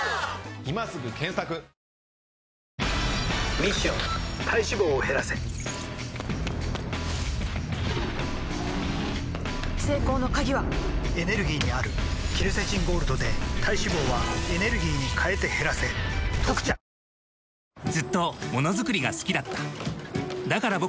ミッション体脂肪を減らせ成功の鍵はエネルギーにあるケルセチンゴールドで体脂肪はエネルギーに変えて減らせ「特茶」［４人がやって来たのは］